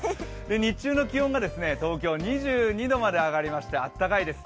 日中の気温が東京２２度まで上がりまして暖かいです。